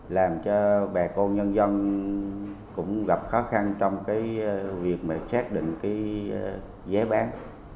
làm cho bà con nhân dân cũng gặp khó khăn trong cái việc mà xác định cái giá bán